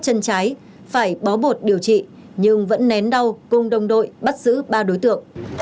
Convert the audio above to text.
chân trái phải bó bột điều trị nhưng vẫn nén đau cùng đồng đội bắt giữ ba đối tượng